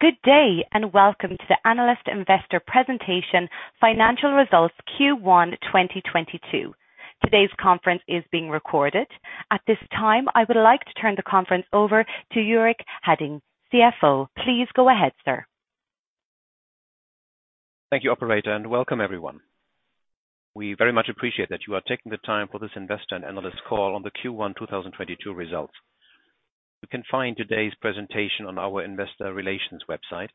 Good day and welcome to the analyst and investor presentation financial results Q1 2022. Today's conference is being recorded. At this time, I would like to turn the conference over to Ulrich Hadding, CFO. Please go ahead, sir. Thank you, operator, and welcome everyone. We very much appreciate that you are taking the time for this investor and analyst call on the Q1 2022 results. You can find today's presentation on our investor relations website.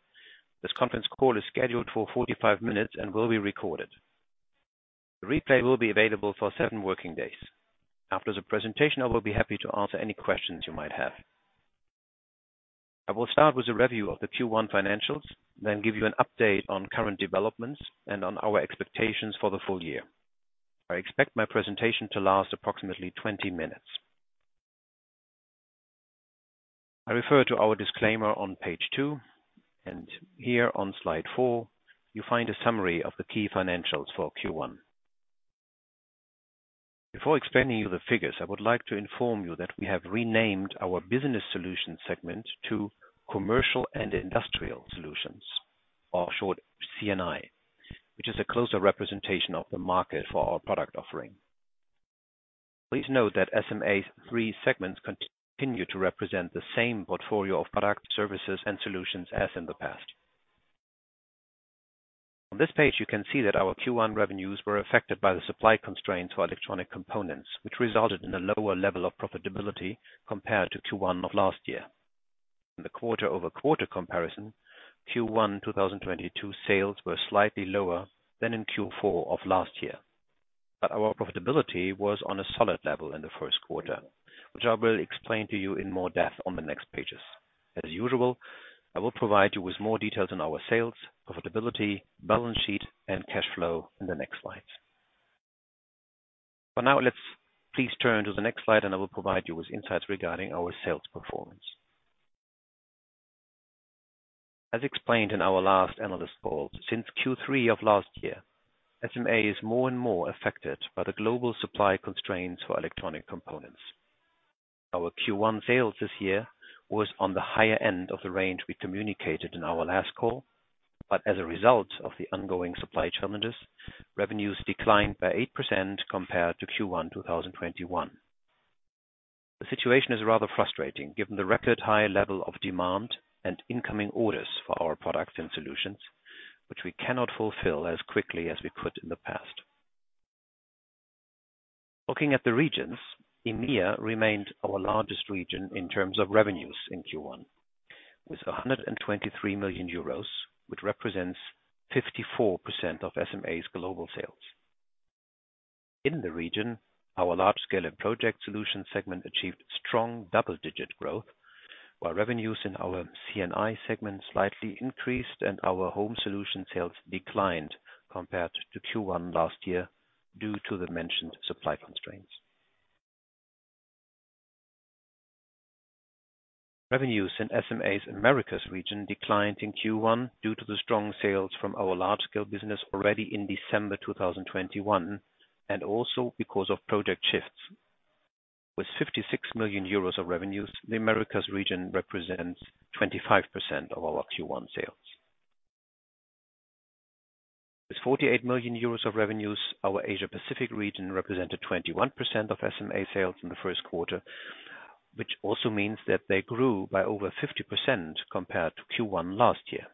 This conference call is scheduled for 45 minutes and will be recorded. The replay will be available for seven working days. After the presentation, I will be happy to answer any questions you might have. I will start with a review of the Q1 financials, then give you an update on current developments and on our expectations for the full year. I expect my presentation to last approximately 20 minutes. I refer to our disclaimer on page 2, and here on slide 4, you find a summary of the key financials for Q1. Before explaining you the figures, I would like to inform you that we have renamed our Business Solutions segment to Commercial & Industrial Solutions, or, short, C&I, which is a closer representation of the market for our product offering. Please note that SMA's three segments continue to represent the same portfolio of products, services and solutions as in the past. On this page, you can see that our Q1 revenues were affected by the supply constraints for electronic components, which resulted in a lower level of profitability compared to Q1 of last year. In the quarter-over-quarter comparison, Q1 2022 sales were slightly lower than in Q4 of last year. Our profitability was on a solid level in the first quarter, which I will explain to you in more depth on the next pages. As usual, I will provide you with more details on our sales, profitability, balance sheet and cash flow in the next slides. For now, let's please turn to the next slide and I will provide you with insights regarding our sales performance. As explained in our last analyst call, since Q3 of last year, SMA is more and more affected by the global supply constraints for electronic components. Our Q1 sales this year was on the higher end of the range we communicated in our last call, but as a result of the ongoing supply challenges, revenues declined by 8% compared to Q1 2021. The situation is rather frustrating given the record high level of demand and incoming orders for our products and solutions, which we cannot fulfill as quickly as we could in the past. Looking at the regions, EMEA remained our largest region in terms of revenues in Q1 with 123 million euros, which represents 54% of SMA's global sales. In the region, our Large Scale & Project Solutions segment achieved strong double-digit growth, while revenues in our C&I segment slightly increased and our Home Solutions sales declined compared to Q1 last year due to the mentioned supply constraints. Revenues in SMA's Americas region declined in Q1 due to the strong sales from our Large Scale business already in December 2021, and also because of project shifts. With 56 million euros of revenues, the Americas region represents 25% of our Q1 sales. With 48 million euros of revenues, our Asia Pacific region represented 21% of SMA sales in the first quarter, which also means that they grew by over 50% compared to Q1 last year.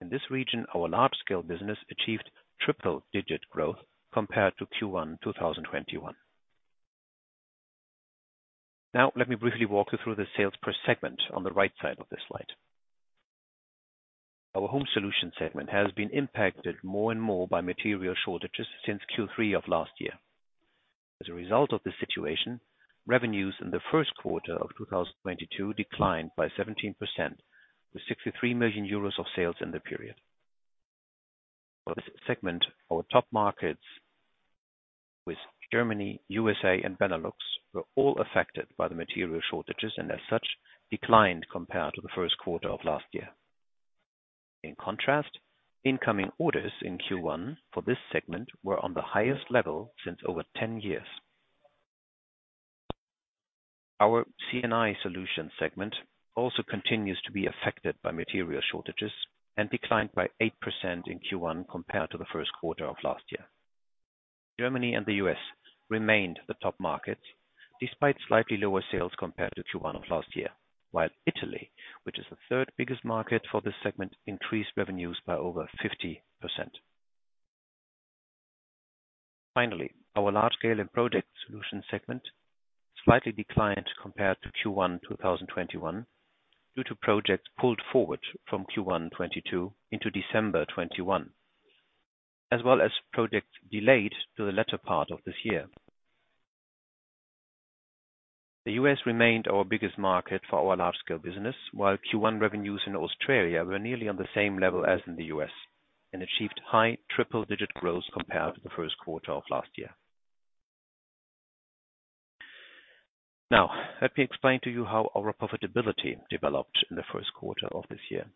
In this region, our Large Scale business achieved triple-digit growth compared to Q1 2021. Now let me briefly walk you through the sales per segment on the right side of this slide. Our Home Solutions segment has been impacted more and more by material shortages since Q3 of last year. As a result of this situation, revenues in the first quarter of 2022 declined by 17% with 63 million euros of sales in the period. For this segment, our top markets with Germany, U.S. and Benelux were all affected by the material shortages and as such declined compared to the first quarter of last year. In contrast, incoming orders in Q1 for this segment were on the highest level since over 10 years. Our C&I Solutions segment also continues to be affected by material shortages and declined by 8% in Q1 compared to the first quarter of last year. Germany and the U.S. remained the top markets despite slightly lower sales compared to Q1 of last year. While Italy, which is the third biggest market for this segment, increased revenues by over 50%. Finally, our Large Scale & Project Solutions segment slightly declined compared to Q1 2021 due to projects pulled forward from Q1 2022 into December 2021, as well as projects delayed to the latter part of this year. The U.S. remained our biggest market for our Large Scale & Project Solutions business, while Q1 revenues in Australia were nearly on the same level as in the U.S. and achieved high triple-digit growth compared to the first quarter of last year. Now, let me explain to you how our profitability developed in the first quarter of this year.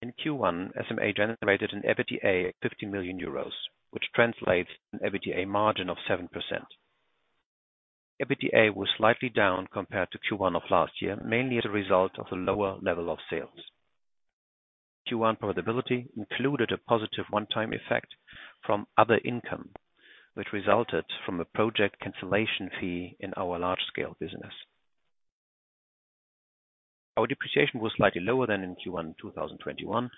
In Q1, SMA generated an EBITDA of 50 million euros, which translates to an EBITDA margin of 7%. EBITDA was slightly down compared to Q1 of last year, mainly as a result of the lower level of sales. Q1 profitability included a positive one-time effect from other income, which resulted from a project cancellation fee in our Large Scale & Project Solutions business. Our depreciation was slightly lower than in Q1 2021,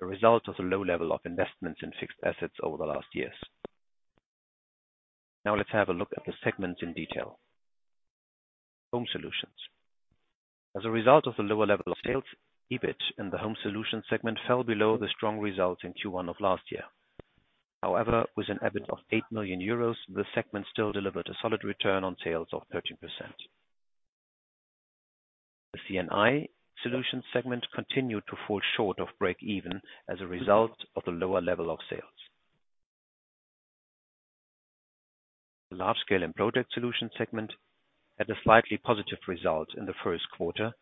a result of the low level of investments in fixed assets over the last years. Now let's have a look at the segments in detail. Home Solutions. As a result of the lower level of sales, EBIT in the Home Solutions segment fell below the strong results in Q1 of last year. However, with an EBIT of 8 million euros, the segment still delivered a solid return on sales of 13%. The C&I Solutions segment continued to fall short of break even as a result of the lower level of sales. The Large Scale & Project Solutions segment had a slightly positive result in the first quarter,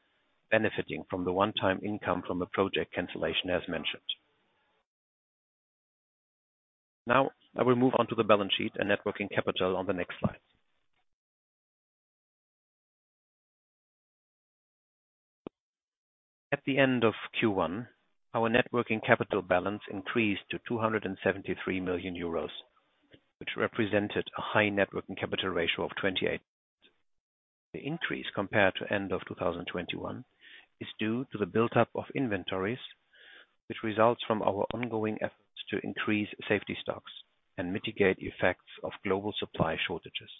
benefiting from the one-time income from a project cancellation, as mentioned. Now I will move on to the balance sheet and net working capital on the next slide. At the end of Q1, our net working capital balance increased to 273 million euros, which represented a high net working capital ratio of 28%. The increase compared to end of 2021 is due to the buildup of inventories, which results from our ongoing efforts to increase safety stocks and mitigate the effects of global supply shortages.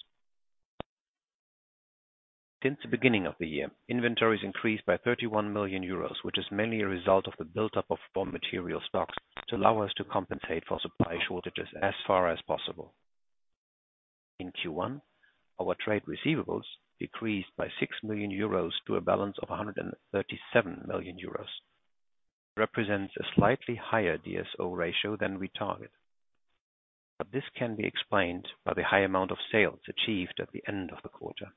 Since the beginning of the year, inventories increased by 31 million euros, which is mainly a result of the buildup of raw material stocks to allow us to compensate for supply shortages as far as possible. In Q1, our trade receivables decreased by 6 million euros to a balance of 137 million euros. Represents a slightly higher DSO ratio than we target. This can be explained by the high amount of sales achieved at the end of the quarter.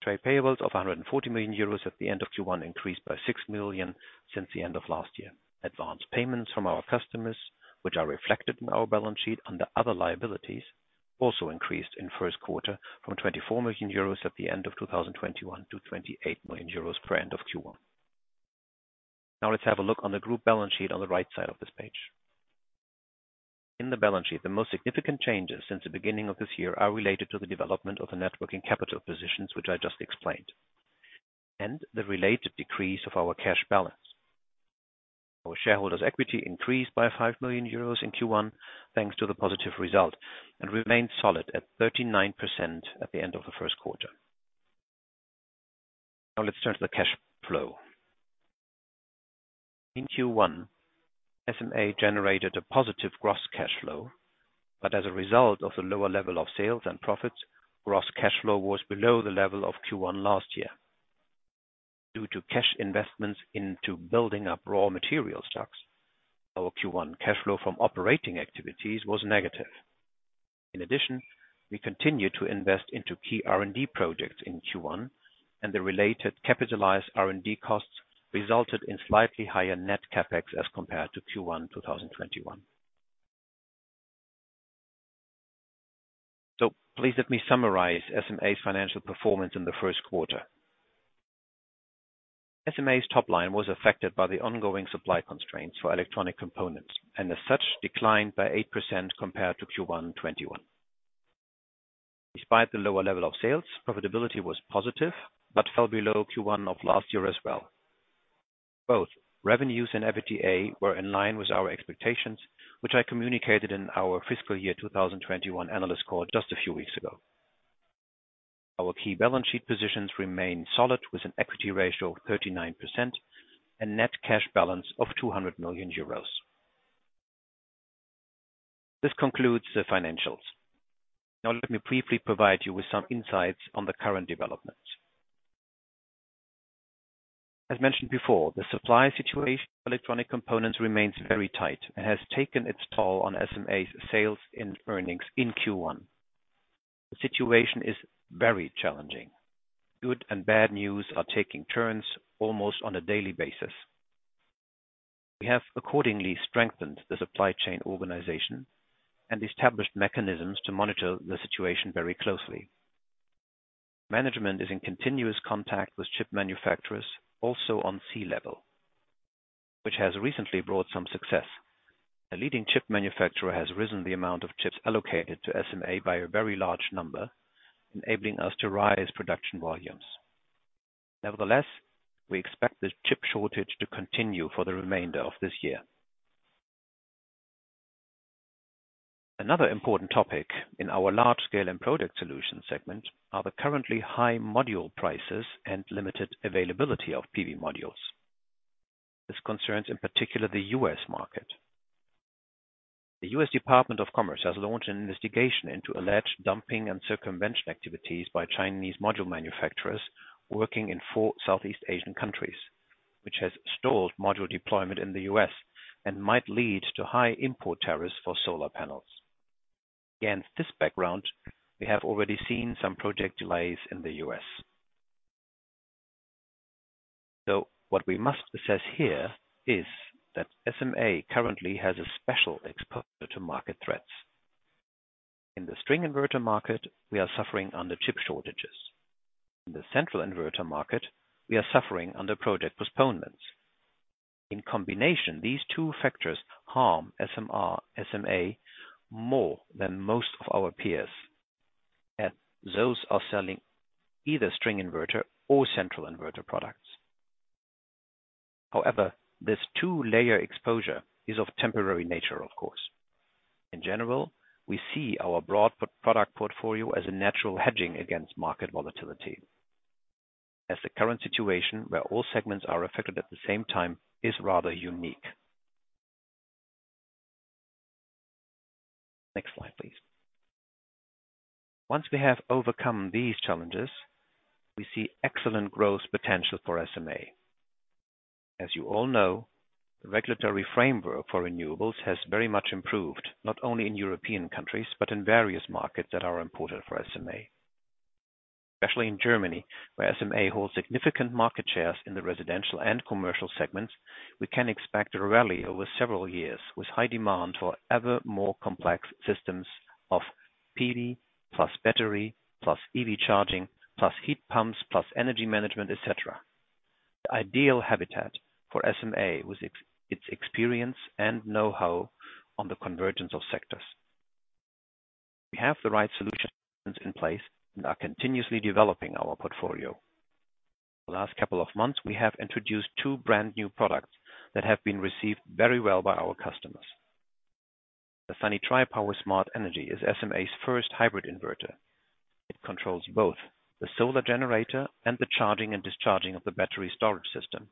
Trade payables of 140 million euros at the end of Q1 increased by 6 million since the end of last year. Advanced payments from our customers, which are reflected in our balance sheet under other liabilities, also increased in first quarter from 24 million euros at the end of 2021 to 28 million euros at end of Q1. Now let's have a look at the group balance sheet on the right side of this page. In the balance sheet, the most significant changes since the beginning of this year are related to the development of the net working capital positions, which I just explained, and the related decrease of our cash balance. Our shareholders equity increased by 5 million euros in Q1, thanks to the positive result, and remained solid at 39% at the end of the first quarter. Now let's turn to the cash flow. In Q1, SMA generated a positive gross cash flow, but as a result of the lower level of sales and profits, gross cash flow was below the level of Q1 last year. Due to cash investments into building up raw material stocks, our Q1 cash flow from operating activities was negative. In addition, we continued to invest into key R&D projects in Q1, and the related capitalized R&D costs resulted in slightly higher net CapEx as compared to Q1 2021. Please let me summarize SMA's financial performance in the first quarter. SMA's top line was affected by the ongoing supply constraints for electronic components and as such, declined by 8% compared to Q1 2021. Despite the lower level of sales, profitability was positive but fell below Q1 of last year as well. Both revenues and EBITDA were in line with our expectations, which I communicated in our fiscal year 2021 analyst call just a few weeks ago. Our key balance sheet positions remain solid with an equity ratio of 39% and net cash balance of 200 million euros. This concludes the financials. Now let me briefly provide you with some insights on the current developments. As mentioned before, the supply situation of electronic components remains very tight and has taken its toll on SMA's sales and earnings in Q1. The situation is very challenging. Good and bad news are taking turns almost on a daily basis. We have accordingly strengthened the supply chain organization and established mechanisms to monitor the situation very closely. Management is in continuous contact with chip manufacturers, also on C-level, which has recently brought some success. A leading chip manufacturer has raised the amount of chips allocated to SMA by a very large number, enabling us to raise production volumes. Nevertheless, we expect the chip shortage to continue for the remainder of this year. Another important topic in our Large Scale & Project Solutions segment are the currently high module prices and limited availability of PV modules. This concerns, in particular, the U.S. Market. The U.S. Department of Commerce has launched an investigation into alleged dumping and circumvention activities by Chinese module manufacturers working in four Southeast Asian countries, which has stalled module deployment in the U.S. and might lead to high import tariffs for solar panels. Against this background, we have already seen some project delays in the U.S. What we must assess here is that SMA currently has a special exposure to market threats. In the string inverter market, we are suffering under chip shortages. In the central inverter market, we are suffering under project postponements. In combination, these two factors harm SMA more than most of our peers, as those are selling either string inverter or central inverter products. However, this two-layer exposure is of temporary nature, of course. In general, we see our broad product portfolio as a natural hedging against market volatility, as the current situation where all segments are affected at the same time is rather unique. Next slide, please. Once we have overcome these challenges, we see excellent growth potential for SMA. As you all know, the regulatory framework for renewables has very much improved, not only in European countries but in various markets that are important for SMA. Especially in Germany, where SMA holds significant market shares in the residential and commercial segments, we can expect a rally over several years with high demand for ever more complex systems of PV, plus battery, plus EV charging, plus heat pumps, plus energy management, et cetera. The ideal habitat for SMA with its experience and know-how on the convergence of sectors. We have the right solutions in place and are continuously developing our portfolio. The last couple of months, we have introduced two brand new products that have been received very well by our customers. The Sunny Tripower Smart Energy is SMA's first hybrid inverter. It controls both the solar generator and the charging and discharging of the battery storage system.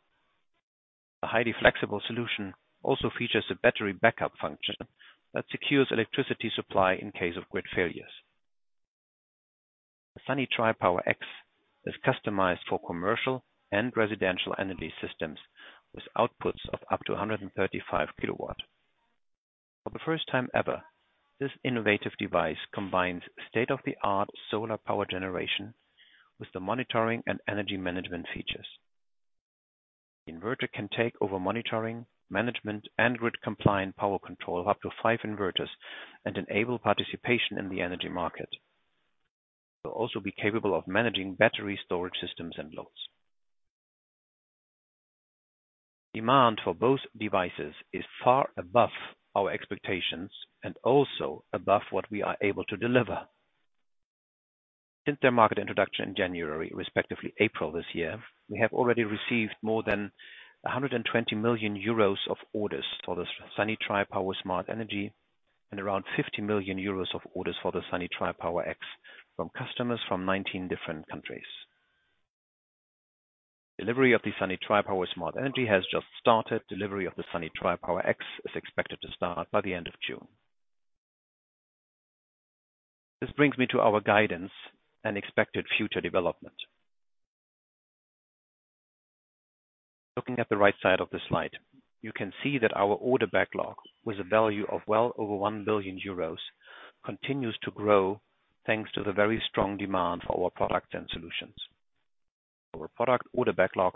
The highly flexible solution also features a battery backup function that secures electricity supply in case of grid failures. The Sunny Tripower X is customized for commercial and residential energy systems with outputs of up to 135 kW. For the first time ever, this innovative device combines state-of-the-art solar power generation with the monitoring and energy management features. The inverter can take over monitoring, management, and grid-compliant power control up to 5 inverters and enable participation in the energy market. It will also be capable of managing battery storage systems and loads. Demand for both devices is far above our expectations and also above what we are able to deliver. Since their market introduction in January, respectively April this year, we have already received more than 120 million euros of orders for the Sunny Tripower Smart Energy and around 50 million euros of orders for the Sunny Tripower X from customers from 19 different countries. Delivery of the Sunny Tripower Smart Energy has just started. Delivery of the Sunny Tripower X is expected to start by the end of June. This brings me to our guidance and expected future development. Looking at the right side of the slide, you can see that our order backlog, with a value of well over 1 billion euros, continues to grow thanks to the very strong demand for our products and solutions. Our product order backlog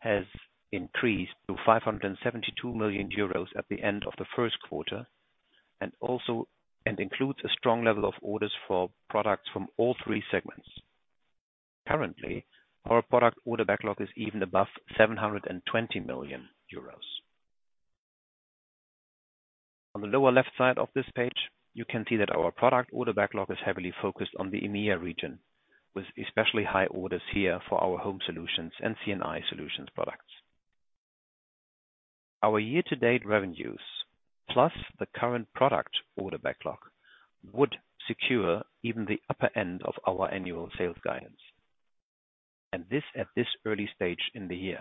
has increased to 572 million euros at the end of the first quarter, and includes a strong level of orders for products from all three segments. Currently, our product order backlog is even above 720 million euros. On the lower left side of this page, you can see that our product order backlog is heavily focused on the EMEA region, with especially high orders here for our Home Solutions and C&I Solutions products. Our year-to-date revenues, plus the current product order backlog, would secure even the upper end of our annual sales guidance, and this at this early stage in the year.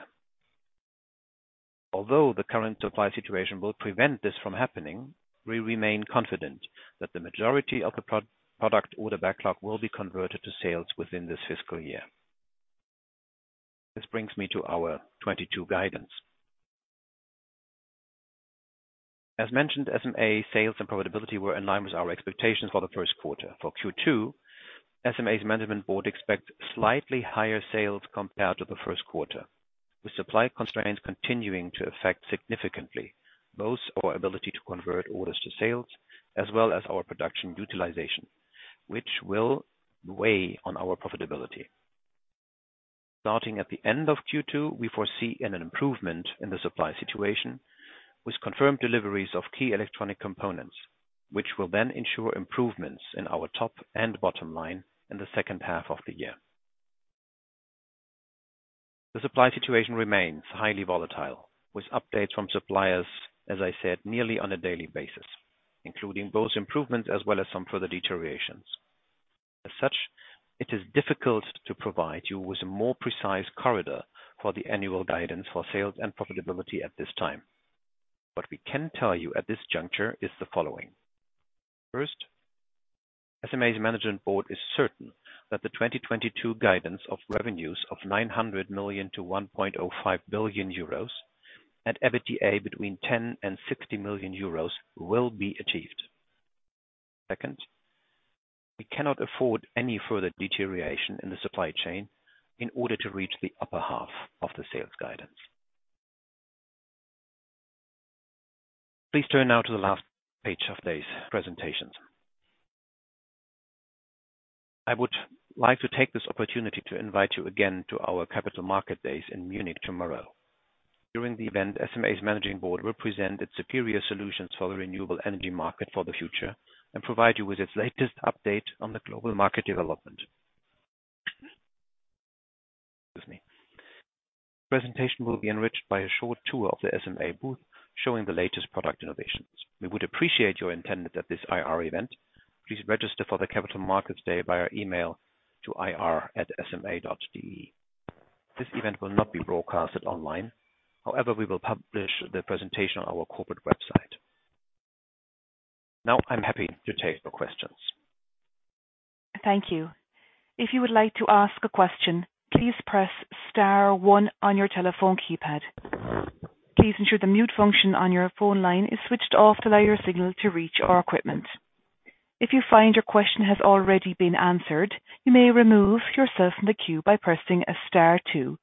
Although the current supply situation will prevent this from happening, we remain confident that the majority of the product order backlog will be converted to sales within this fiscal year. This brings me to our 2022 guidance. As mentioned, SMA sales and profitability were in line with our expectations for the first quarter. For Q2, SMA's management board expects slightly higher sales compared to the first quarter, with supply constraints continuing to affect significantly both our ability to convert orders to sales as well as our production utilization, which will weigh on our profitability. Starting at the end of Q2, we foresee an improvement in the supply situation with confirmed deliveries of key electronic components, which will then ensure improvements in our top and bottom line in the second half of the year. The supply situation remains highly volatile, with updates from suppliers, as I said, nearly on a daily basis, including both improvements as well as some further deteriorations. As such, it is difficult to provide you with a more precise corridor for the annual guidance for sales and profitability at this time. What we can tell you at this juncture is the following. First, SMA's management board is certain that the 2022 guidance of revenues of 900 million-1.05 billion euros and EBITDA between 10 million and 60 million euros will be achieved. Second, we cannot afford any further deterioration in the supply chain in order to reach the upper half of the sales guidance. Please turn now to the last page of these presentations. I would like to take this opportunity to invite you again to our Capital Markets Day in Munich tomorrow. During the event, SMA's managing board will present its superior solutions for the renewable energy market for the future and provide you with its latest update on the global market development. The presentation will be enriched by a short tour of the SMA booth, showing the latest product innovations. We would appreciate your attendance at this IR event. Please register for the Capital Markets Day via email to ir@sma.de. This event will not be broadcasted online. However, we will publish the presentation on our corporate website. Now I'm happy to take your questions. Thank you. If you would like to ask a question, please press star one on your telephone keypad. Please ensure the mute function on your phone line is switched off to allow your signal to reach our equipment. If you find your question has already been answered, you may remove yourself from the queue by pressing star two.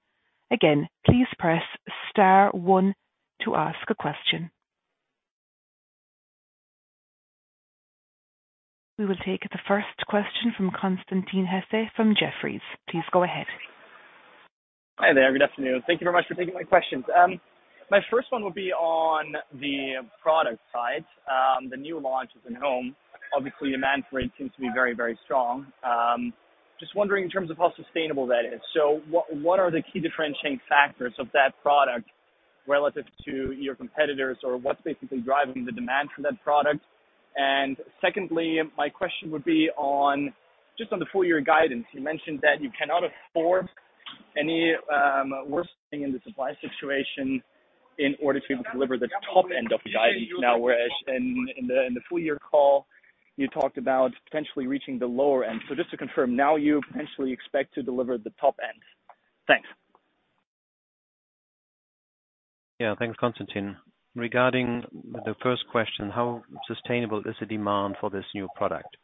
Again, please press star one to ask a question. We will take the first question from Constantin Hesse from Jefferies. Please go ahead. Hi there. Good afternoon. Thank you very much for taking my questions. My first one will be on the product side, the new launches in home. Obviously, demand for it seems to be very, very strong. Just wondering in terms of how sustainable that is. What are the key differentiating factors of that product relative to your competitors or what's basically driving the demand for that product? And secondly, my question would be on just on the full year guidance. You mentioned that you cannot afford any worsening in the supply situation in order to deliver the top end of the guidance now, whereas in the full year call, you talked about potentially reaching the lower end. Just to confirm, now, you potentially expect to deliver the top end. Thanks. Yeah. Thanks, Constantin. Regarding the first question, how sustainable is the demand for this new product?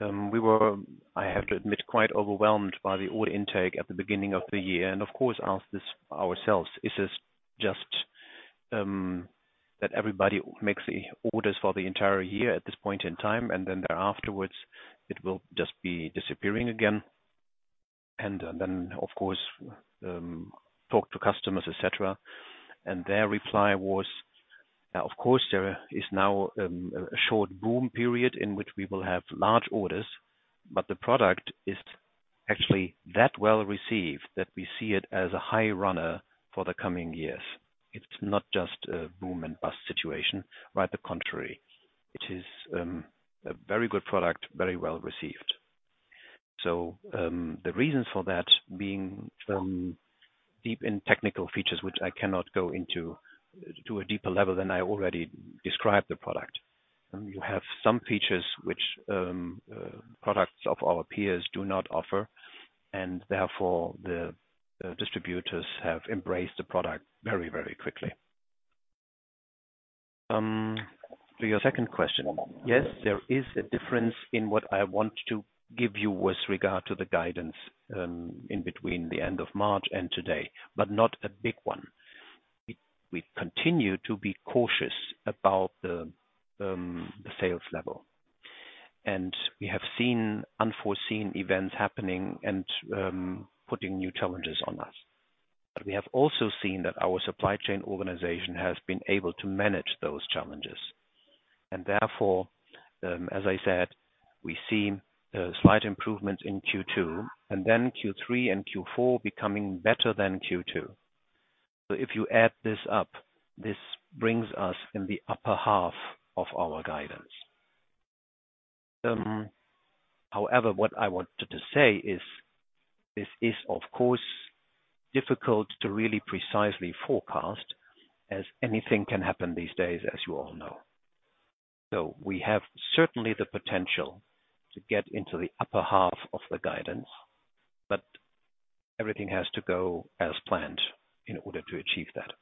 We were, I have to admit, quite overwhelmed by the order intake at the beginning of the year, and of course, asked this ourselves. Is this just, that everybody makes the orders for the entire year at this point in time, and then there afterwards it will just be disappearing again? Then, of course, talk to customers, et cetera. Their reply was, of course, there is now, a short boom period in which we will have large orders, but the product is actually that well received that we see it as a high runner for the coming years. It's not just a boom and bust situation. Quite the contrary. It is, a very good product, very well received. The reasons for that being deep in technical features, which I cannot go into to a deeper level than I already described the product. You have some features which products of our peers do not offer, and therefore, the distributors have embraced the product very, very quickly. To your second question, yes, there is a difference in what I want to give you with regard to the guidance in between the end of March and today, but not a big one. We continue to be cautious about the sales level, and we have seen unforeseen events happening and putting new challenges on us. We have also seen that our supply chain organization has been able to manage those challenges. Therefore, as I said, we see a slight improvement in Q2, and then Q3 and Q4 becoming better than Q2. If you add this up, this brings us in the upper half of our guidance. However, what I wanted to say is this is of course difficult to really precisely forecast as anything can happen these days, as you all know. We have certainly the potential to get into the upper half of the guidance, but everything has to go as planned in order to achieve that.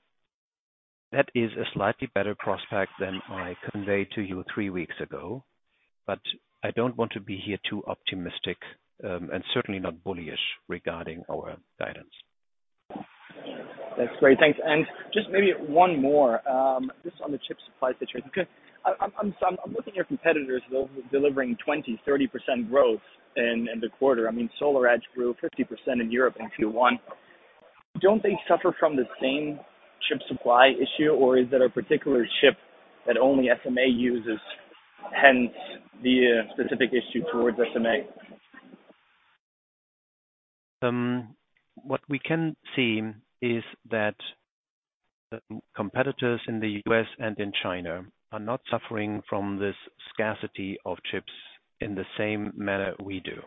That is a slightly better prospect than I conveyed to you three weeks ago, but I don't want to be here too optimistic and certainly not bullish regarding our guidance. That's great. Thanks. Just maybe one more, just on the chip supply situation, because I'm looking at your competitors delivering 20%-30% growth in the quarter. I mean, SolarEdge grew 50% in Europe in Q1. Don't they suffer from the same chip supply issue, or is it a particular chip that only SMA uses, hence the specific issue towards SMA? What we can see is that competitors in the U.S. and in China are not suffering from this scarcity of chips in the same manner we do.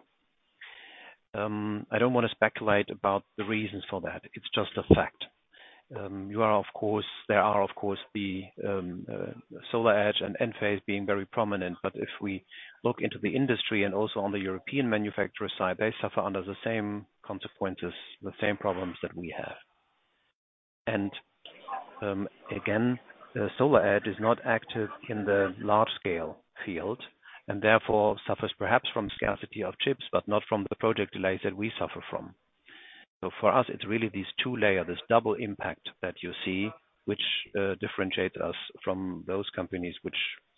I don't want to speculate about the reasons for that. It's just a fact. There are of course the SolarEdge and Enphase being very prominent. But if we look into the industry and also on the European manufacturer side, they suffer under the same consequences, the same problems that we have. Again, the SolarEdge is not active in the large scale field and therefore suffers perhaps from scarcity of chips, but not from the project delays that we suffer from. For us, it's really these two layer, this double impact that you see, which differentiates us from those companies which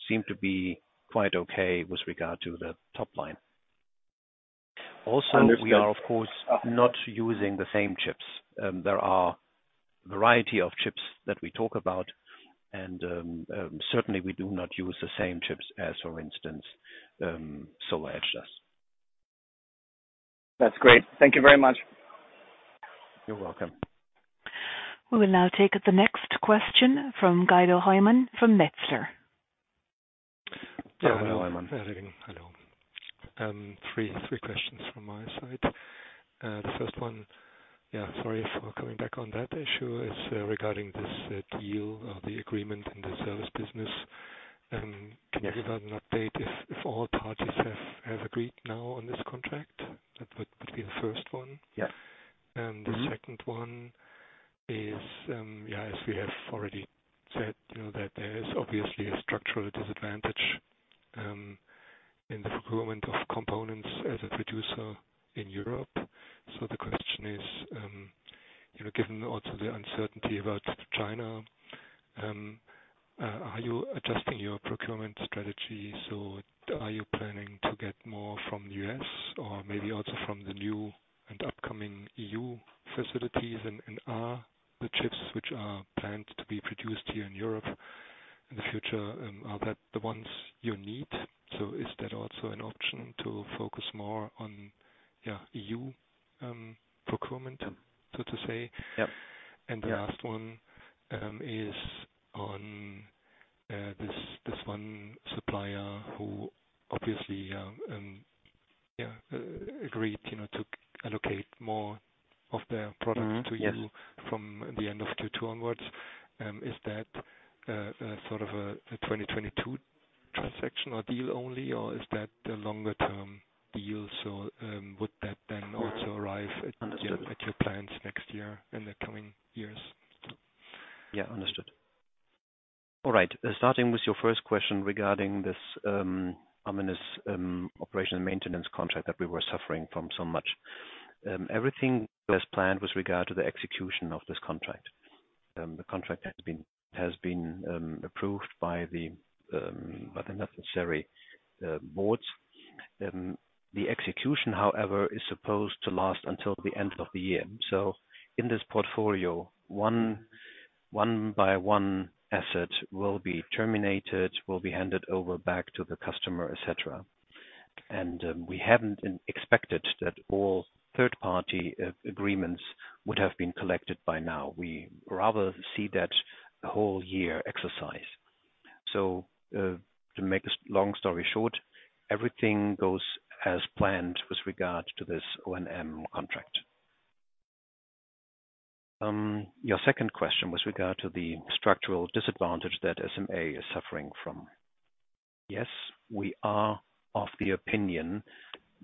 seem to be quite okay with regard to the top line. Understood. Also, we are of course not using the same chips. There are a variety of chips that we talk about, and certainly we do not use the same chips as, for instance, SolarEdge does. That's great. Thank you very much. You're welcome. We will now take the next question from Guido Hoymann from Metzler. Guido Hoymann. Hello. Hello. Three questions from my side. The first one, yeah, sorry for coming back on that issue, is regarding this deal or the agreement in the service business. Can you give an update if all parties have agreed now on this contract? That would be the first one. Yes. The second one is, yeah, as we have already said, you know, that there is obviously a structural disadvantage in the procurement of components as a producer in Europe. The question is, you know, given also the uncertainty about China, are you adjusting your procurement strategy? Are you planning to get more from U.S. or maybe also from the new and upcoming E.U. facilities? And are the chips which are planned to be produced here in Europe in the future, are that the ones you need? Is that also an option to focus more on, yeah, E.U. procurement, so to say? Yep. The last one is on this one supplier who obviously yeah agreed, you know, to allocate more of their products to you. Yes. from the end of Q2 onwards. Is that sort of a 2022 transaction or deal only, or is that a longer term deal? Would that then also arrive- Understood. What are your plans next year, in the coming years? Yeah, understood. All right. Starting with your first question regarding this onerous operation and maintenance contract that we were suffering from so much. Everything goes as planned with regard to the execution of this contract. The contract has been approved by the necessary boards. The execution, however, is supposed to last until the end of the year. In this portfolio one by one asset will be terminated, will be handed over back to the customer, et cetera. We haven't expected that all third-party agreements would have been collected by now. We rather see that as a whole year exercise. To make a long story short, everything goes as planned with regard to this O&M contract. Your second question with regard to the structural disadvantage that SMA is suffering from. Yes, we are of the opinion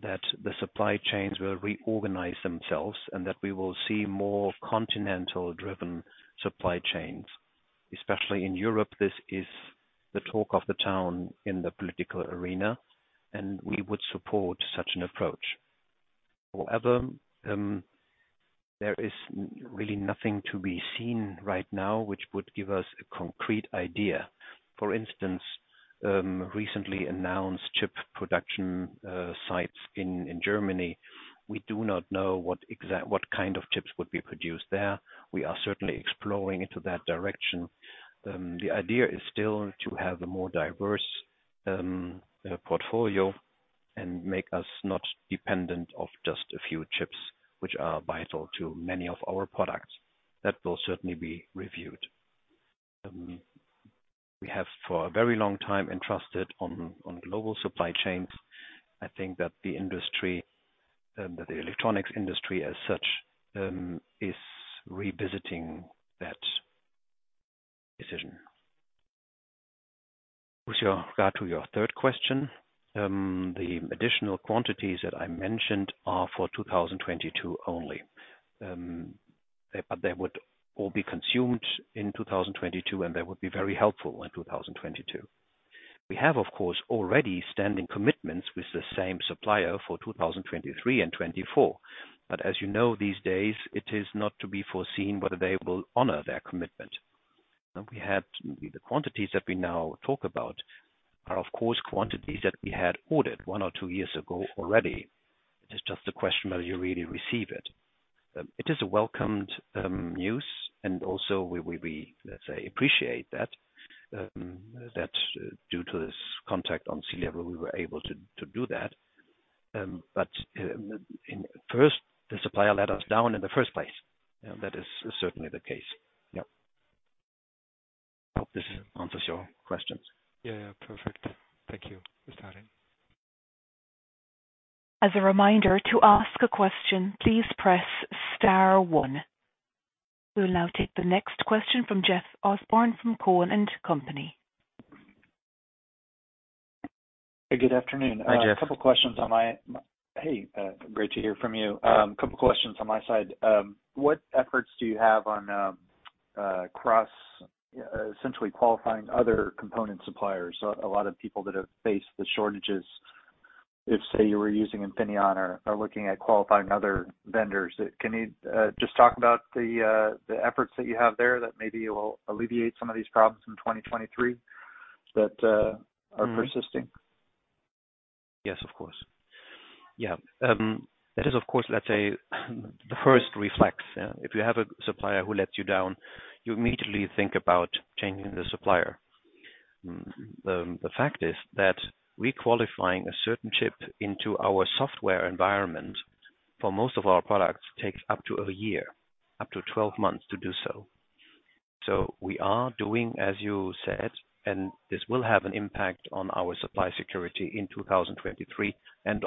that the supply chains will reorganize themselves, and that we will see more continental-driven supply chains. Especially in Europe, this is the talk of the town in the political arena, and we would support such an approach. However, there is really nothing to be seen right now which would give us a concrete idea. For instance, recently announced chip production sites in Germany. We do not know what kind of chips would be produced there. We are certainly exploring into that direction. The idea is still to have a more diverse portfolio and make us not dependent on just a few chips, which are vital to many of our products. That will certainly be reviewed. We have for a very long time relied on global supply chains. I think that the industry, the electronics industry as such, is revisiting that decision. With regard to your third question, the additional quantities that I mentioned are for 2022 only. They would all be consumed in 2022, and they would be very helpful in 2022. We have of course already standing commitments with the same supplier for 2023 and 2024. As you know, these days it is not to be foreseen whether they will honor their commitment. The quantities that we now talk about are of course quantities that we had ordered one or two years ago already. It is just a question, will you really receive it? It is a welcome news. also we let's say appreciate that that due to this contact on C-level we were able to do that. First the supplier let us down in the first place. That is certainly the case. Yep. I hope this answers your questions. Yeah, yeah. Perfect. Thank you, Mr. Hadding. As a reminder, to ask a question, please press star one. We'll now take the next question from Jeff Osborne from Cowen and Company. Good afternoon. Hi, Jeff. Hey, great to hear from you. Couple questions on my side. What efforts do you have on essentially qualifying other component suppliers? A lot of people that have faced the shortages, if, say, you were using Infineon, are looking at qualifying other vendors. Can you just talk about the efforts that you have there that maybe will alleviate some of these problems in 2023 that are persisting? Yes, of course. That is of course, let's say, the first reflex. If you have a supplier who lets you down, you immediately think about changing the supplier. The fact is that re-qualifying a certain chip into our software environment for most of our products takes up to a year, up to 12 months to do so. We are doing as you said, and this will have an impact on our supply security in 2023 and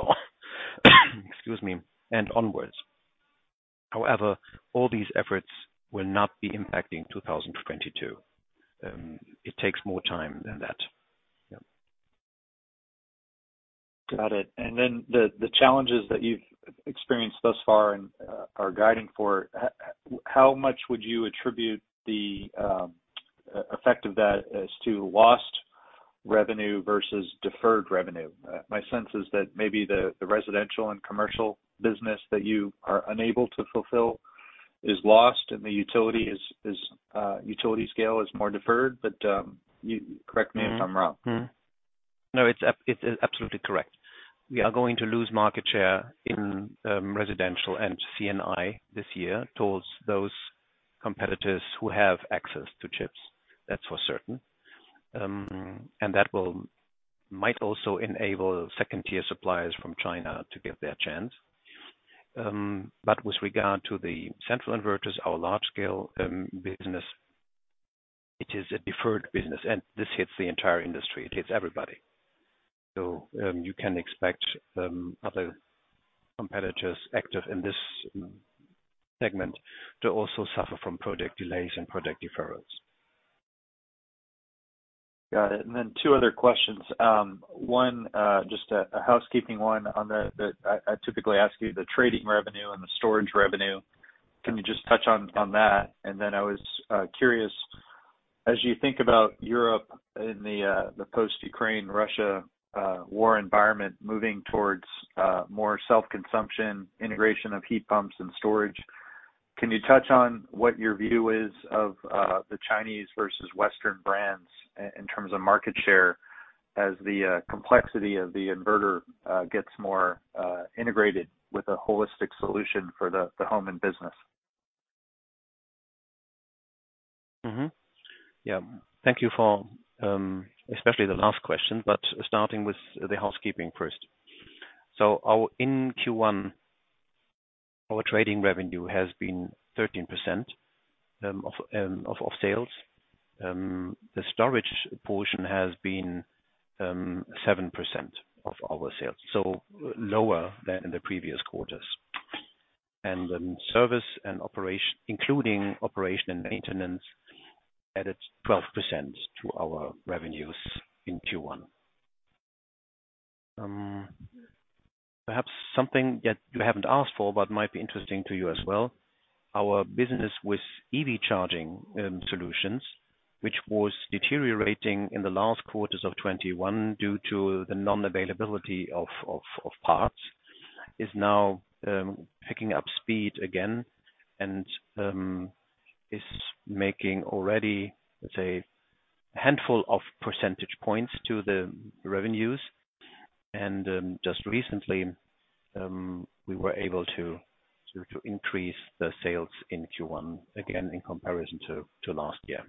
onwards. However, all these efforts will not be impacting 2022. It takes more time than that. Got it. The challenges that you've experienced thus far and are guiding for how much would you attribute the effect of that as to lost revenue versus deferred revenue? My sense is that maybe the residential and commercial business that you are unable to fulfill is lost and the utility-scale is more deferred. You correct me if I'm wrong. No, it is absolutely correct. We are going to lose market share in residential and C&I this year towards those competitors who have access to chips. That's for certain. That might also enable second-tier suppliers from China to get their chance. With regard to the central inverters, our large scale business, it is a deferred business, and this hits the entire industry. It hits everybody. You can expect other competitors active in this segment to also suffer from product delays and product deferrals. Got it. Then two other questions. One, just a housekeeping one. I typically ask you the trading revenue and the storage revenue. Can you just touch on that? I was curious, as you think about Europe in the post-Ukraine-Russia war environment moving towards more self-consumption, integration of heat pumps and storage, can you touch on what your view is of the Chinese versus Western brands in terms of market share as the complexity of the inverter gets more integrated with a holistic solution for the home and business? Yeah. Thank you for especially the last question, but starting with the housekeeping first. In Q1, our trading revenue has been 13% of sales. The storage portion has been 7% of our sales, so lower than in the previous quarters. Service and operation, including operation and maintenance, added 12% to our revenues in Q1. Perhaps something that you haven't asked for but might be interesting to you as well, our business with EV charging solutions, which was deteriorating in the last quarters of 2021 due to the non-availability of parts, is now picking up speed again and is making already, let's say, a handful of percentage points to the revenues. Just recently, we were able to increase the sales in Q1, again in comparison to last year.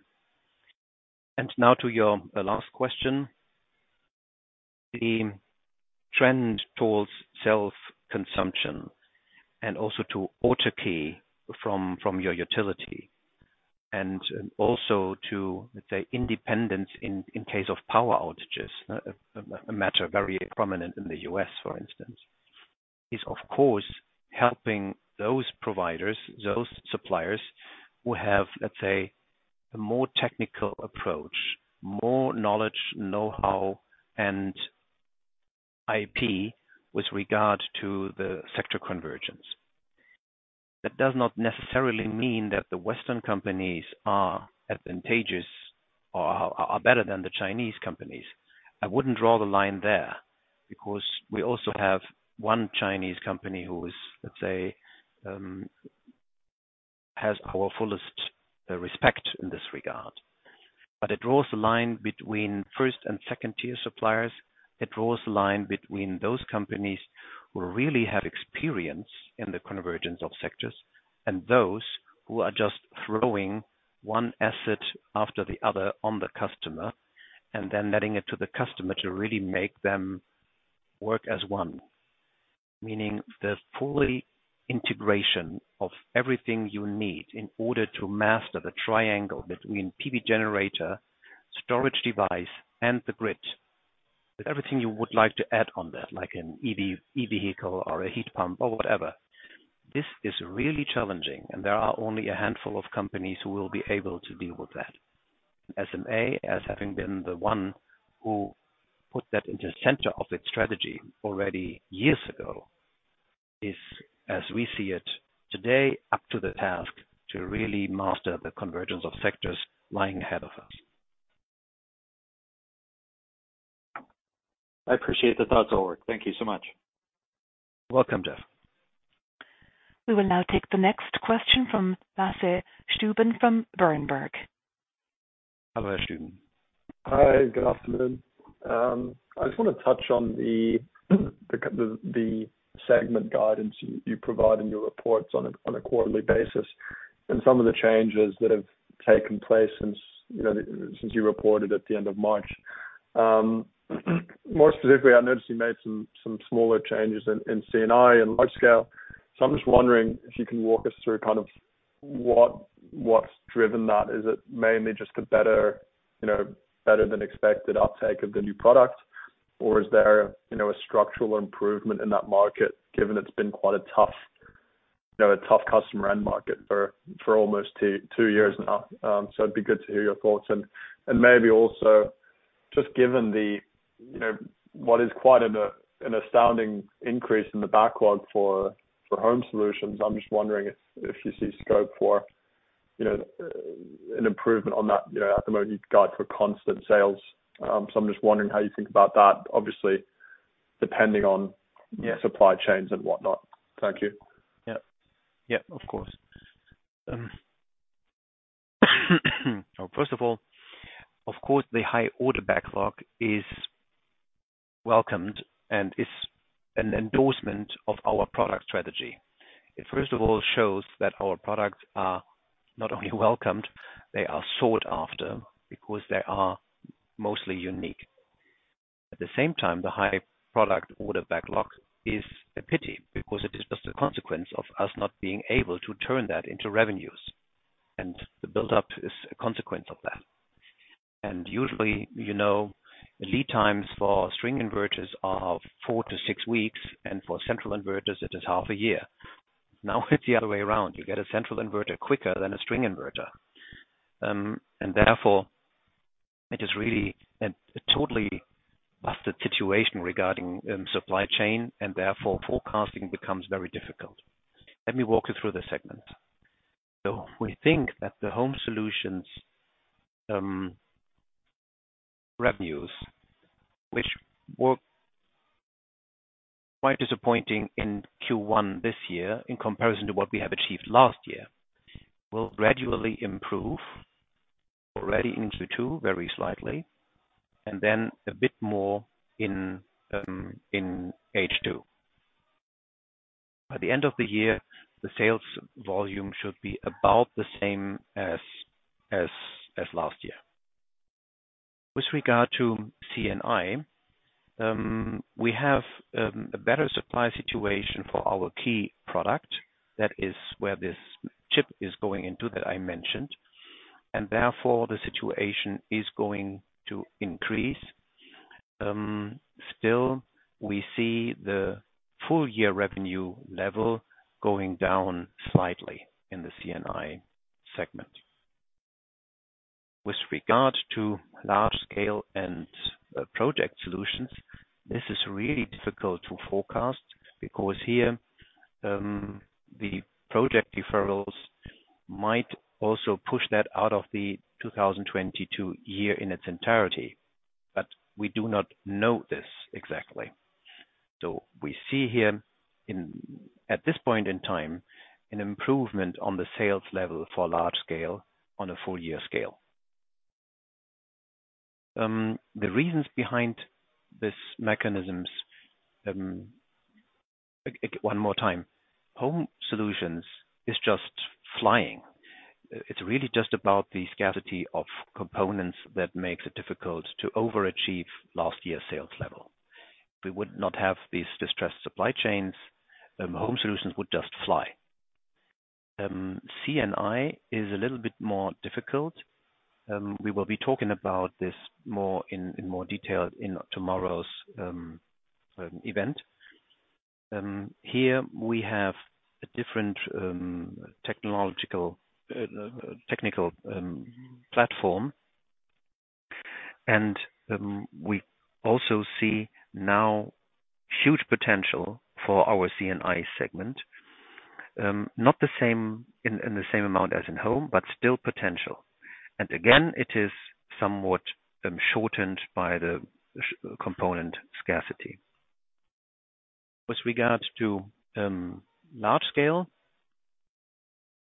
Now to your last question. The trend towards self-consumption and also to autarky from your utility and also to, let's say, independence in case of power outages, a matter very prominent in the U.S., for instance, is of course helping those providers, those suppliers who have, let's say, a more technical approach, more knowledge know-how and IP with regard to the sector convergence. That does not necessarily mean that the Western companies are advantageous or are better than the Chinese companies. I wouldn't draw the line there because we also have one Chinese company who is, let's say, has our fullest respect in this regard. It draws a line between first and second tier suppliers. It draws a line between those companies who really have experience in the convergence of sectors and those who are just throwing one asset after the other on the customer and then letting it up to the customer to really make them work as one. Meaning the full integration of everything you need in order to master the triangle between PV generator, storage device, and the grid, with everything you would like to add on that, like an EV vehicle or a heat pump or whatever. This is really challenging, and there are only a handful of companies who will be able to deal with that. SMA, as having been the one who put that into the center of its strategy already years ago, is, as we see it today, up to the task to really master the convergence of sectors lying ahead of us. I appreciate the thoughts, Ulrich. Thank you so much. Welcome, Jeff. We will now take the next question from Lasse Stüben from Berenberg. Hello, Stüben. Hi. Good afternoon. I just want to touch on the segment guidance you provide in your reports on a quarterly basis and some of the changes that have taken place since, you know, since you reported at the end of March. More specifically, I noticed you made some smaller changes in C&I and Large Scale. I'm just wondering if you can walk us through kind of what's driven that. Is it mainly just a better than expected uptake of the new product? Or is there a structural improvement in that market, given it's been quite a tough customer end market for almost two years now? It'd be good to hear your thoughts. Maybe also just given the, you know, what is quite an astounding increase in the backlog for Home Solutions. I'm just wondering if you see scope for, you know, an improvement on that. You know, at the moment, you've got consensus sales, so I'm just wondering how you think about that, obviously, depending on supply chains and whatnot. Thank you. Yeah. Yeah, of course. Well, first of all, of course, the high order backlog is welcomed and is an endorsement of our product strategy. It first of all shows that our products are not only welcomed, they are sought after because they are mostly unique. At the same time, the high product order backlog is a pity because it is just a consequence of us not being able to turn that into revenues, and the build-up is a consequence of that. Usually, you know, lead times for string inverters are 4-6 weeks, and for central inverters, it is half a year. Now, it's the other way around. You get a central inverter quicker than a string inverter. Therefore it is really a totally busted situation regarding supply chain, and therefore forecasting becomes very difficult. Let me walk you through the segment. We think that the Home Solutions revenues, which were quite disappointing in Q1 this year in comparison to what we have achieved last year, will gradually improve already in Q2 very slightly and then a bit more in H2. By the end of the year, the sales volume should be about the same as last year. With regard to C&I, we have a better supply situation for our key product. That is where this chip is going into that I mentioned, and therefore the situation is going to increase. Still, we see the full year revenue level going down slightly in the C&I segment. With regard to Large Scale & Project Solutions, this is really difficult to forecast because here the project deferrals might also push that out of the 2022 year in its entirety. We do not know this exactly. We see here at this point in time, an improvement on the sales level for Large Scale on a full year scale. The reasons behind these mechanisms. One more time. Home Solutions is just flying. It's really just about the scarcity of components that makes it difficult to overachieve last year's sales level. If we would not have these distressed supply chains, then Home Solutions would just fly. C&I is a little bit more difficult. We will be talking about this more in more detail in tomorrow's event. Here we have a different technical platform. We also see now huge potential for our C&I segment. Not the same in the same amount as in Home, but still potential. Again, it is somewhat shortened by the component scarcity. With regards to large scale,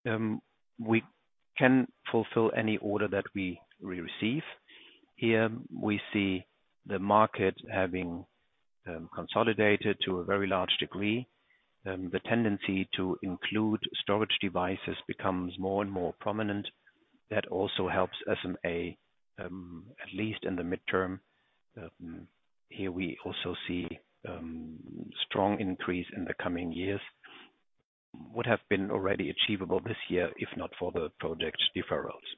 we can fulfill any order that we receive. Here we see the market having consolidated to a very large degree. The tendency to include storage devices becomes more and more prominent. That also helps SMA, at least in the midterm. Here we also see strong increase in the coming years. Would have been already achievable this year if not for the project deferrals.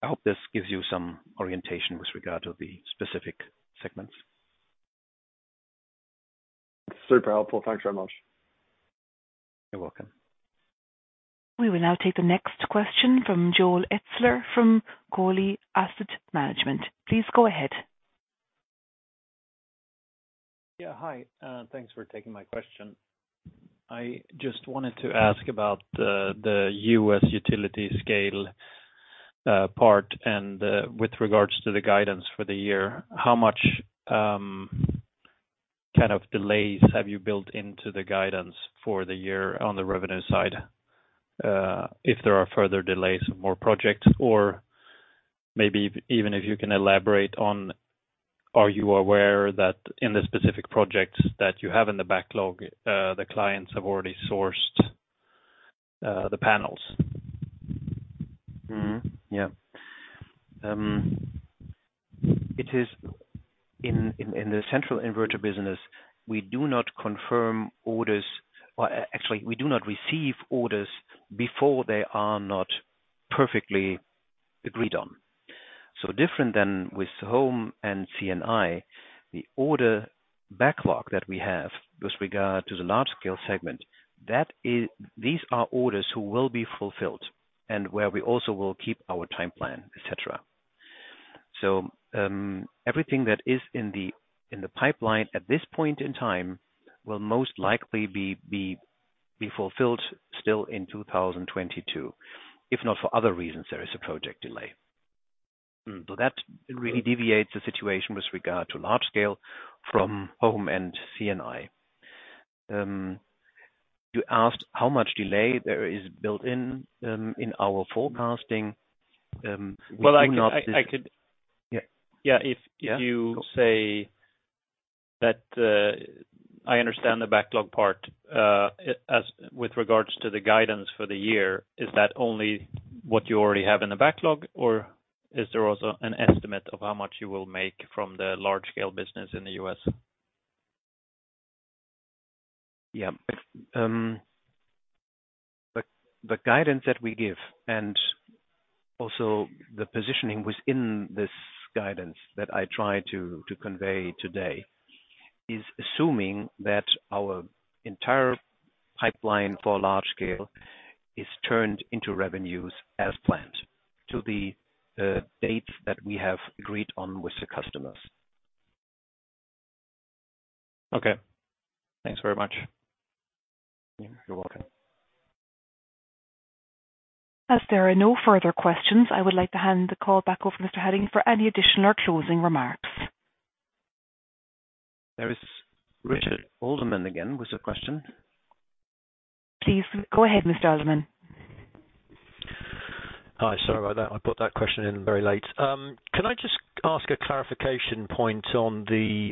I hope this gives you some orientation with regard to the specific segments. Super helpful. Thanks very much. You're welcome. We will now take the next question from Joel Etzler from Coeli Asset Management. Please go ahead. Yeah. Hi. Thanks for taking my question. I just wanted to ask about the U.S. utility-scale part and, with regards to the guidance for the year, how much kind of delays have you built into the guidance for the year on the revenue side? If there are further delays of more projects or maybe even if you can elaborate on, are you aware that in the specific projects that you have in the backlog, the clients have already sourced the panels? It is in the central inverter business, we do not confirm orders. Well, actually, we do not receive orders before they are not perfectly agreed on. Different than with Home and C&I. The order backlog that we have with regard to the large scale segment, that is these are orders who will be fulfilled and where we also will keep our time plan, et cetera. Everything that is in the pipeline at this point in time will most likely be fulfilled still in 2022, if not for other reasons, there is a project delay. That really deviates the situation with regard to large scale from Home and C&I. You asked how much delay there is built in our forecasting. We do not- Well, I could. Yeah. Yeah. If you say that, I understand the backlog part, as with regards to the guidance for the year, is that only what you already have in the backlog, or is there also an estimate of how much you will make from the large scale business in the U.S.? Yeah. The guidance that we give and also the positioning within this guidance that I try to convey today is assuming that our entire pipeline for large scale is turned into revenues as planned to the dates that we have agreed on with the customers. Okay. Thanks very much. You're welcome. As there are no further questions, I would like to hand the call back over to Mr. Hadding for any additional or closing remarks. There is Richard Alderman again with a question. Please go ahead, Mr. Alderman. Hi. Sorry about that. I put that question in very late. Can I just ask a clarification point on the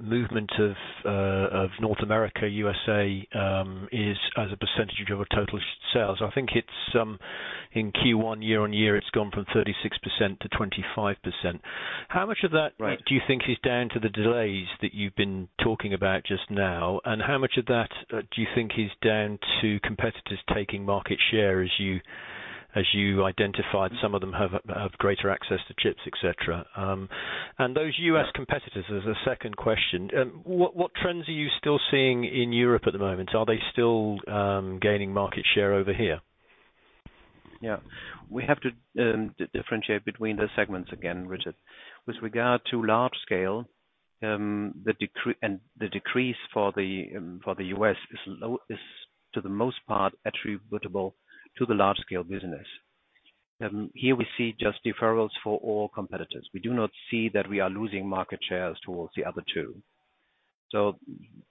movement of North America, U.S., as a percentage of total sales. I think it's in Q1 year-on-year, it's gone from 36% to 25%. How much of that? Right. Do you think is down to the delays that you've been talking about just now? How much of that do you think is down to competitors taking market share as you identified, some of them have greater access to chips, et cetera. Those U.S. competitors, as a second question, what trends are you still seeing in Europe at the moment? Are they still gaining market share over here? Yeah. We have to differentiate between the segments again, Richard. With regard to Large Scale, the decrease for the U.S. is for the most part attributable to the Large Scale business. Here we see just deferrals for all competitors. We do not see that we are losing market shares toward the other two.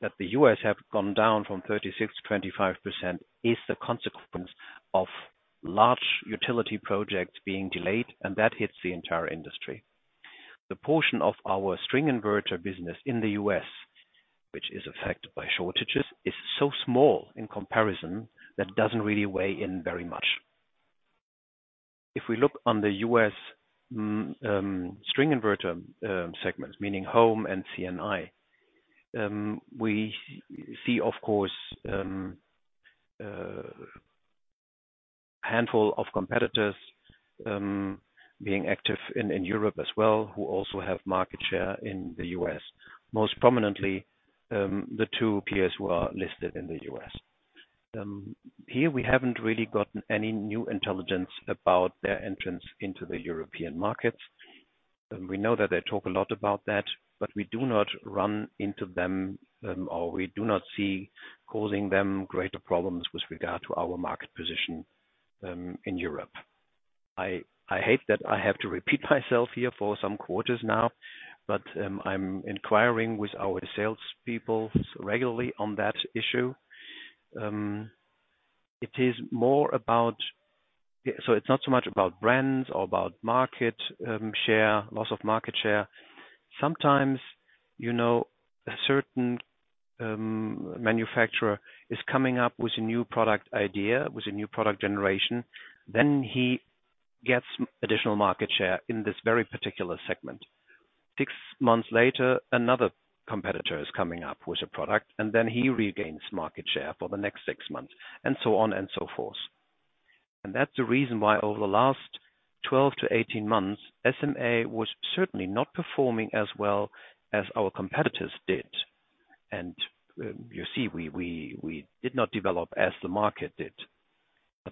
That the U.S. has gone down from 36% to 25% is the consequence of large utility projects being delayed, and that hits the entire industry. The portion of our string inverter business in the U.S., which is affected by shortages, is so small in comparison, that doesn't really weigh in very much. If we look at the U.S. String inverter segments, meaning Home and C&I, we see, of course, handful of competitors being active in Europe as well, who also have market share in the U.S. Most prominently, the two peers who are listed in the U.S. Here we haven't really gotten any new intelligence about their entrance into the European markets. We know that they talk a lot about that, but we do not run into them or we do not see them causing greater problems with regard to our market position in Europe. I hate that I have to repeat myself here for some quarters now, but I'm inquiring with our salespeople regularly on that issue. It's not so much about brands or about market share, loss of market share. Sometimes, you know, a certain manufacturer is coming up with a new product idea, with a new product generation, then he gets additional market share in this very particular segment. Six months later, another competitor is coming up with a product, and then he regains market share for the next 6 months and so on and so forth. That's the reason why over the last 12-18 months, SMA was certainly not performing as well as our competitors did. You see, we did not develop as the market did.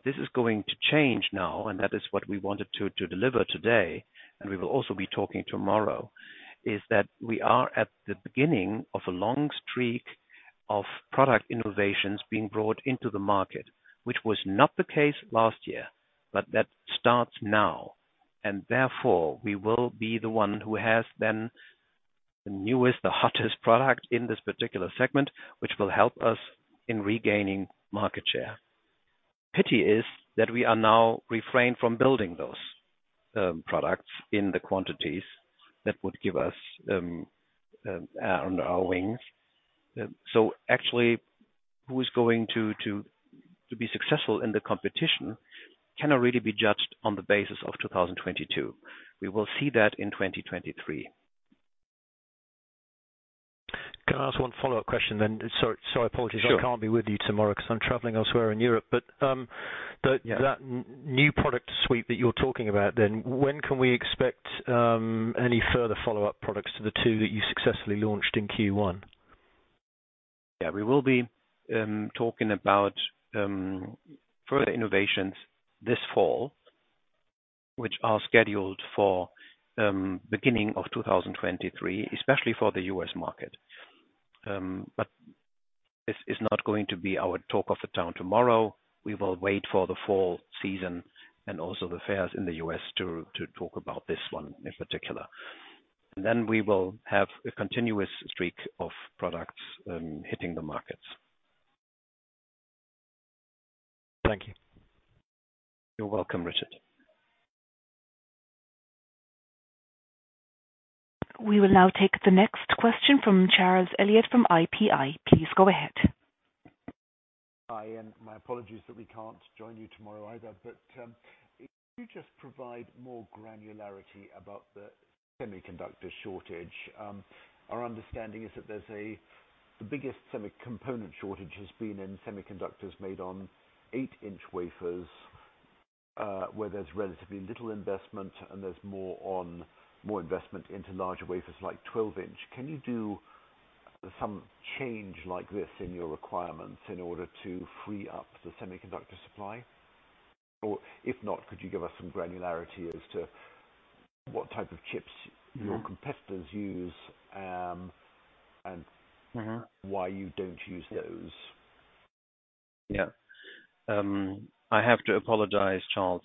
This is going to change now, and that is what we wanted to deliver today, and we will also be talking tomorrow, is that we are at the beginning of a long streak of product innovations being brought into the market, which was not the case last year, but that starts now. Therefore we will be the one who has then the newest, the hottest product in this particular segment, which will help us in regaining market share. Pity is that we are now refrained from building those products in the quantities that would give us our wings. Actually, who is going to to be successful in the competition cannot really be judged on the basis of 2022. We will see that in 2023. Can I ask one follow-up question then? Sorry, apologies. Sure. I can't be with you tomorrow 'cause I'm traveling elsewhere in Europe. Yeah. That new product suite that you're talking about then, when can we expect any further follow-up products to the two that you successfully launched in Q1? Yeah, we will be talking about further innovations this fall, which are scheduled for beginning of 2023, especially for the U.S. market. This is not going to be our talk of the town tomorrow. We will wait for the fall season and also the fairs in the U.S. to talk about this one in particular. We will have a continuous streak of products hitting the markets. Thank you. You're welcome, Richard. We will now take the next question from Charles Elliott from IPI. Please go ahead. Hi, my apologies that we can't join you tomorrow either. Could you just provide more granularity about the semiconductor shortage? Our understanding is that there's the biggest semi component shortage has been in semiconductors made on eight-inch wafers, where there's relatively little investment and there's more and more investment into larger wafers, like 12-inch. Can you do some change like this in your requirements in order to free up the semiconductor supply? If not, could you give us some granularity as to what type of chips your competitors use, and Why you don't use those? Yeah. I have to apologize, Charles.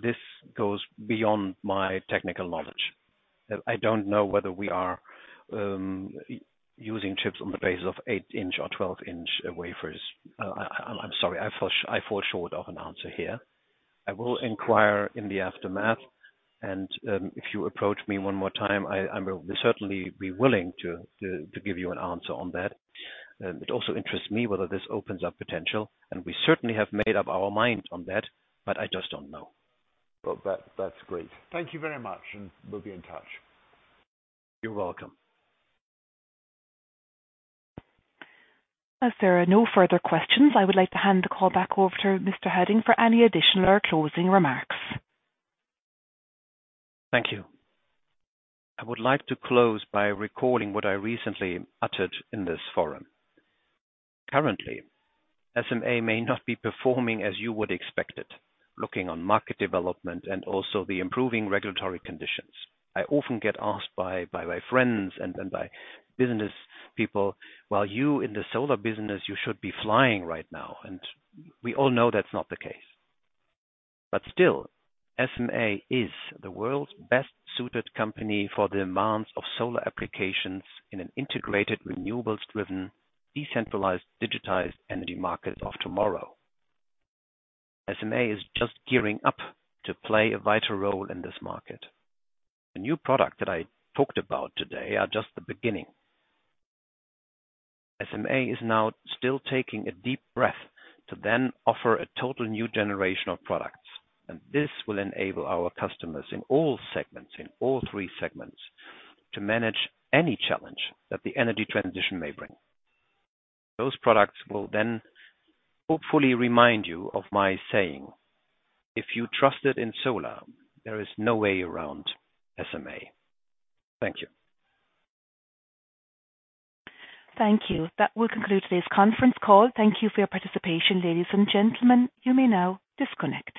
This goes beyond my technical knowledge. I don't know whether we are using chips on the basis of 8 in or 12 in wafers. I'm sorry, I fall short of an answer here. I will inquire in the aftermath and, if you approach me one more time, I will certainly be willing to give you an answer on that. It also interests me whether this opens up potential and we certainly have made up our mind on that, but I just don't know. Well, that's great. Thank you very much, and we'll be in touch. You're welcome. As there are no further questions, I would like to hand the call back over to Mr. Hadding for any additional or closing remarks. Thank you. I would like to close by recalling what I recently uttered in this forum. Currently, SMA may not be performing as you would expect it, looking on market development and also the improving regulatory conditions. I often get asked by my friends and by business people, "Well, you in the solar business, you should be flying right now." We all know that's not the case. Still, SMA is the world's best-suited company for the demands of solar applications in an integrated, renewables-driven, decentralized, digitized energy market of tomorrow. SMA is just gearing up to play a vital role in this market. The new product that I talked about today are just the beginning. SMA is now still taking a deep breath to then offer a total new generation of products. This will enable our customers in all segments, in all three segments, to manage any challenge that the energy transition may bring. Those products will then hopefully remind you of my saying, "If you trusted in solar, there is no way around SMA." Thank you. Thank you. That will conclude today's conference call. Thank you for your participation, ladies and gentlemen. You may now disconnect.